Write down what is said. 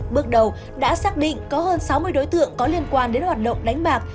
bước đầu đã xác định có hơn sáu mươi đối tượng có liên quan đến hoạt động đánh bạc